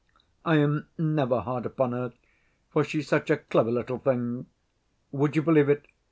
I am never hard upon her, for she's such a clever little thing. Would you believe it?